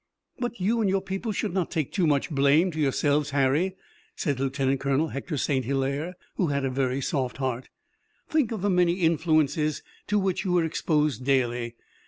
"But you and your people should not take too much blame to yourselves, Harry," said Lieutenant Colonel Hector St. Hilaire, who had a very soft heart. "Think of the many influences to which you were exposed daily.